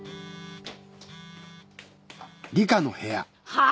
はあ！？